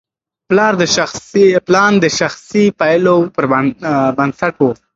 پلان د شخصي پایلو پر بنسټ و.